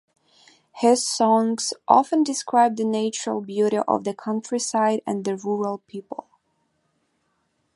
His songs often describe the natural beauty of the countryside and the rural people.